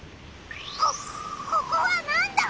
こここはなんだ？